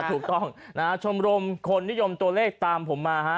ถูกต้องนะฮะชมรมคนนิยมตัวเลขตามผมมาฮะ